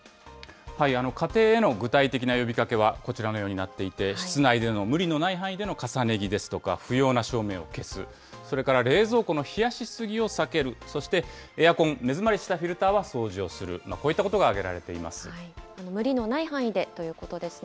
家庭への具体的な呼びかけはこちらのようになっていて、室内での無理のない範囲での重ね着ですとか、不要な照明を消す、それから冷蔵庫の冷やしすぎを避ける、そしてエアコン、目詰まりしたフィルターは掃除をする、こういったことが挙げられています。